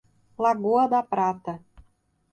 Lagoa da Prata